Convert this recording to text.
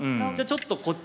じゃちょっとこっち？